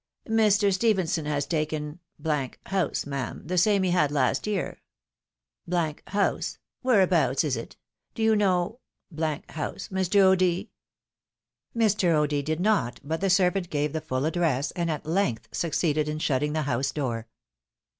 " Mr. Stephenson has taken House, ma'am, the same he had last year." " House. Whereabouts is it? Do you know House, Mr. O'D. ?" Mr. O'D. did not, but the servant gave the full address, and at length succeeded in shutting the house door.